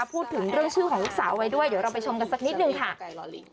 พูดถึงเรื่องชื่อของลูกสาวไว้ด้วยเดี๋ยวเราไปชมกันสักนิดนึงค่ะ